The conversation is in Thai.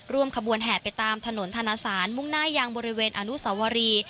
ขบวนแห่ไปตามถนนธนสารมุ่งหน้ายังบริเวณอนุสวรี